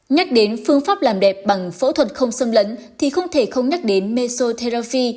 nhắc đến phương pháp làm đẹp bằng phẫu thuật không xâm lẫn thì không thể không nhắc đến mesotherapy